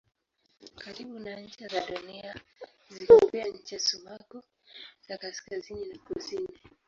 Karibu na ncha za Dunia ziko pia ncha sumaku za kaskazini na kusini.